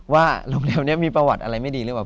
ว่าโรงแรมนี้มีประวัติอะไรไม่ดีหรือเปล่า